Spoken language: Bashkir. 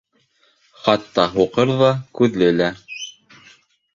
Хатта һуҡыр ҙа, күҙле лә.